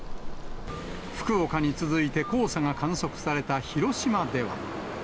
福岡に続いて黄砂が観測された広島では。